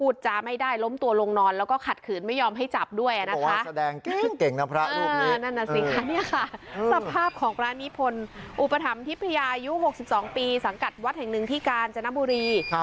สังกัดวัดแห่งหนึ่งที่การจันน้ำมบุรี